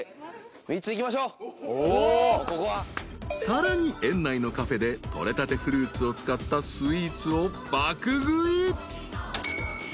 ［さらに園内のカフェでとれたてフルーツを使ったスイーツを爆食い］